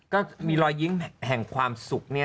ก็มีรอยยิ้มแห่งความสุขเนี่ย